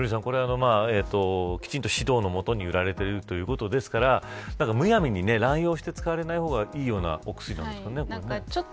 きちんと指導のもと売られていくということですからむやみに乱用して使われない方がいいお薬ですかね。